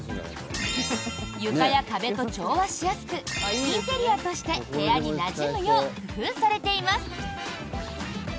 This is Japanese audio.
床や壁と調和しやすくインテリアとして部屋になじむよう工夫されています。